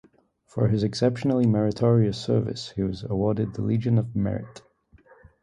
For his exceptionally meritorious service he was awarded the Legion of Merit.